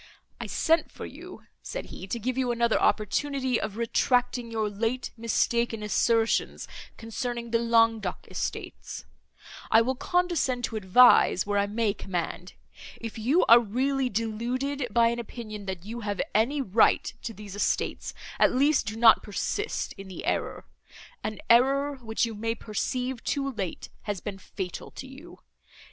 "I sent for you," said he, "to give you another opportunity of retracting your late mistaken assertions concerning the Languedoc estates. I will condescend to advise, where I may command.—If you are really deluded by an opinion, that you have any right to these estates, at least, do not persist in the error—an error, which you may perceive, too late, has been fatal to you.